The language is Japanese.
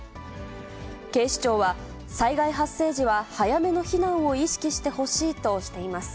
警視庁は、災害発生時は早めの避難を意識してほしいとしています。